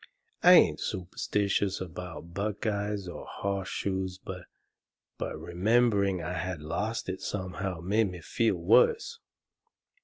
I ain't superstitious about buckeyes or horse shoes, but remembering I had lost it somehow made me feel worse.